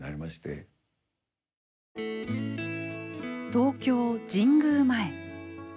東京・神宮前。